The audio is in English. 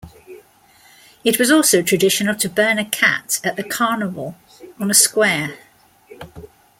It was also traditional to burn a cat at the carnival on a square.